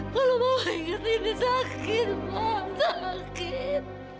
kalau mama inget riri sakit ma sakit